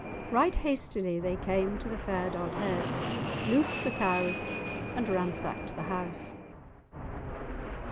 Right hastily they came to the fair Dodhead, loosed the cows and ransacked the house.